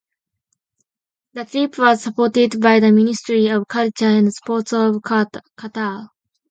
The trip was supported by the Ministry of Culture and Sports of Qatar.